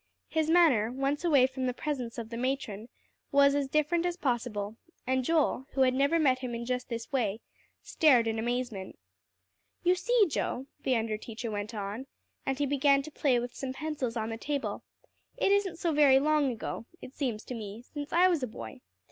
His manner, once away from the presence of the matron, was as different as possible; and Joel, who had never met him in just this way, stared in amazement. "You see, Joe," the under teacher went on, and he began to play with some pencils on the table, "it isn't so very long ago, it seems to me, since I was a boy.